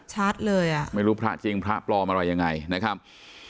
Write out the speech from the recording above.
ชัดเลยอ่ะไม่รู้พระจริงพระปลอมอะไรยังไงนะครับ